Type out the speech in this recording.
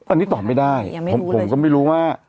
อันนี้ตอบไม่ได้ผมก็ไม่รู้ว่า